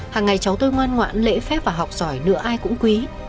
hàng ngày cháu tôi ngoan ngoãn lễ phép và học giỏi nữa ai cũng quý